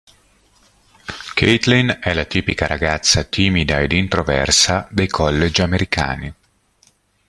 Caitlin è la tipica ragazza timida ed introversa dei college americani.